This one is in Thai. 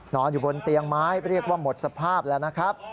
นอนอยู่บนเตียงไม้เรียกว่าหมดสภาพแล้วนะครับ